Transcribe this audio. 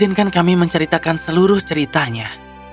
izinkan kami menceritakan seluruh ceritanya